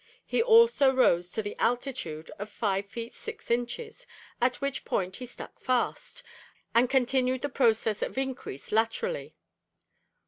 He also rose to the altitude of five feet six inches, at which point he stuck fast, and continued the process of increase laterally.